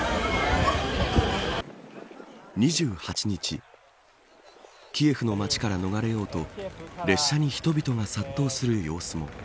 ２８日キエフの街から逃れようと列車に人々が殺到する様子も。